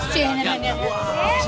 jangan sampai gue